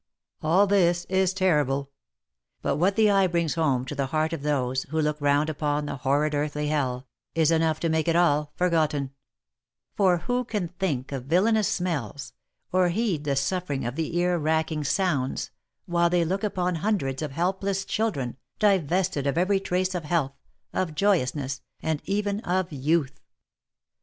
All this is terrible. But what the eye brings home to the heart of those, who look round upon the horrid earthly hell, is enough to make it all forgotten; for who can think of villanous smells, or heed the suffering of the ear racking sounds, while they look upon hundreds of helpless children, divested of every trace of health, of joyousness, and even of youth